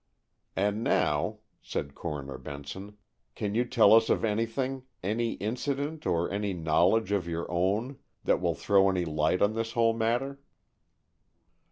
"And now," said Coroner Benson, "can you tell us of anything, any incident or any knowledge of your own, that will throw any light on this whole matter?"